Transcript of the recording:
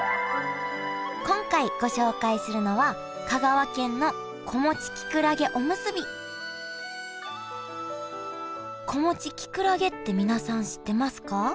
今回ご紹介するのは「子持ちきくらげ」って皆さん知ってますか？